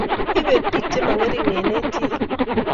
Kibek bik che mingerik eng etiet